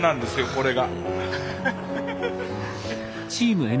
これが。